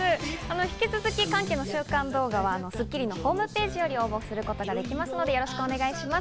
引き続き歓喜の瞬間動画は『スッキリ』のホームページより応募することができますので、よろしくお願いします。